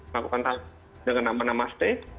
melakukan dengan nama namaste